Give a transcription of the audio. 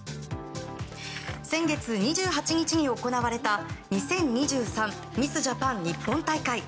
先月２８日に行われた２０２３ミス・ジャパン日本大会。